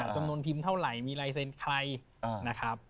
จำนวนพิมพ์เท่าไหร่มีลายเซ็นต์ใครนะครับ